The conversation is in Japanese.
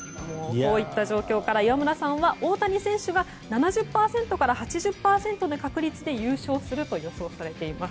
こういった状況から岩村さんは大谷選手が７０％から８０％の確率で優勝するといわれています。